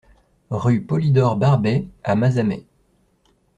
Rue Polydore Barbey à Mazamet